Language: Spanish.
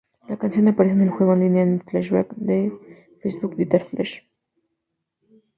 La canción aparece en el juego en línea y flash de Facebook Guitar Flash.